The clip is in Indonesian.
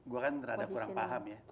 gue kan terhadap kurang paham ya